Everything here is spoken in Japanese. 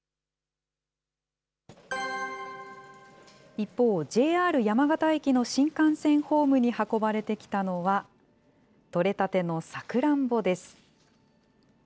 一方、ＪＲ山形駅の新幹線ホームに運ばれてきたのは、取れたてのさくらんぼです。